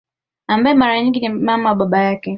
Ambaye mara nyingi ni mama wa baba yake